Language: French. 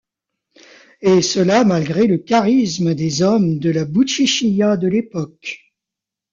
Et cela malgré le charisme des hommes de la Boutchichiyya de l'époque.